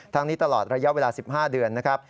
นี้ตลอดระยะเวลา๑๕เดือนนะครับ